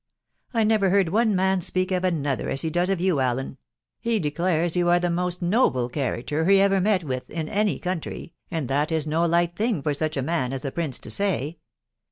I never heard one man speak of another as he does of you, Allen ; he declares you are the most noble character he ever met with in any country, and that is no light thing for such a man as the prince to say.